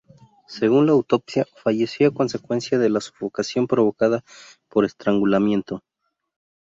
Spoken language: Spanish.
Según la autopsia, falleció a consecuencia de la sofocación provocada por estrangulamiento.